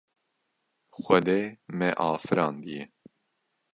Xwedê me afirandiye.